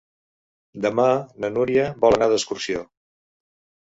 Demà na Núria vol anar d'excursió.